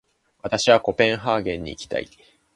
私はコペンハーゲンに行きたい。